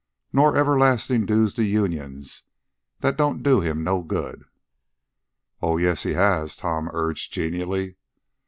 "Nor everlastin' dues to unions that don't do him no good." "Oh, yes, he has," Tom urged genially.